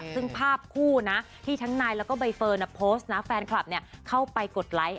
ซึ่งภาพคู่นะที่ทั้งนายแล้วก็ใบเฟิร์นโพสต์นะแฟนคลับเข้าไปกดไลค์